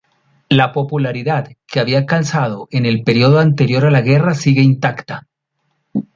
La popularidad que había alcanzado en el período anterior a la guerra sigue intacta.